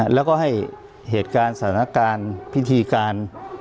แล้วก็ให้เหตุการณ์สถานการณ์พิธีการ